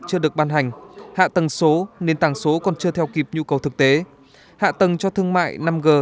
chưa được ban hành hạ tầng số nên tàng số còn chưa theo kịp nhu cầu thực tế hạ tầng cho thương mại năm g